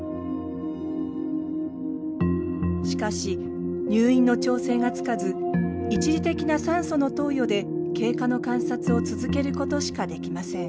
しかし入院の調整がつかず一時的な酸素の投与で経過の観察を続けることしかできません。